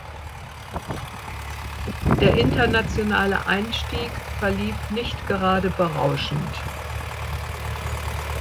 Der internationale Einstieg verlief nicht gerade berauschend.